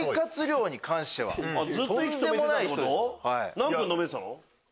何分止めてたの？